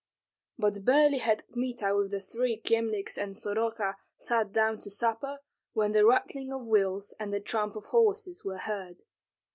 But barely had Kmita with the three Kyemliches and Soroka sat down to supper when the rattling of wheels and the tramp of horses were heard.